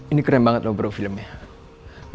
ini keren banget lo bero filmnya